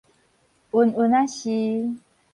勻勻仔是